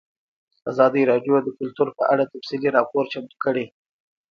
ازادي راډیو د کلتور په اړه تفصیلي راپور چمتو کړی.